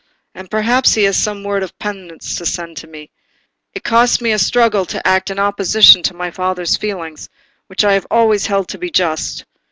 And perhaps he has some word of penitence to send by me. It cost me a struggle to act in opposition to my father's feeling, which I have always held to be just.